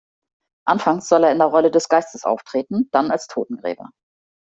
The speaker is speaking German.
Anfangs soll er in der Rolle des Geistes auftreten, dann als Totengräber.